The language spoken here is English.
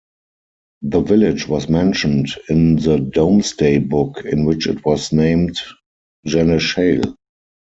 The village was mentioned in the Domesday Book, in which it was named "Geneshale".